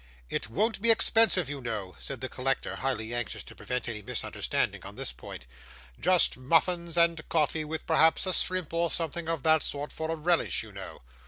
It won't be expensive, you know,' said the collector, highly anxious to prevent any misunderstanding on this point; 'just muffins and coffee, with perhaps a shrimp or something of that sort for a relish, you know.